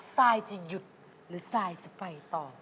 ซายจะหยุดหรือซายจะไปต่อ